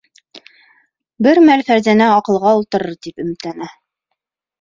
Бер мәл Фәрзәнә аҡылға ултырыр тип өмөтләнә...